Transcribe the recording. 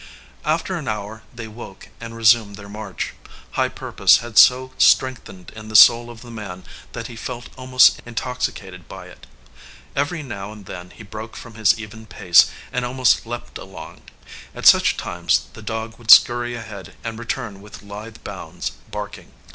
After an hour they woke and resumed their march. High purpose had so strengthened in the soul of the man that he felt almost intoxicated by it. Every now and then he broke from his even pace and almost leaped along. At such times the dog would scurry ahead and return with lithe bounds, barking.